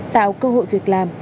tạo cơ hội việc làm